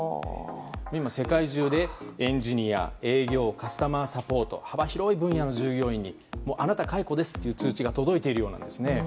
今、世界中でエンジニア営業、カスタマーサポートの幅広い従業員にあなたは解雇ですと通知が届いているようなんです。